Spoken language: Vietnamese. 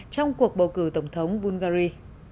trong cuộc bầu cử tổng thống bulgari